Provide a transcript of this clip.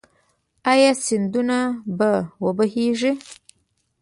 آیا سیندونه به و بهیږي؟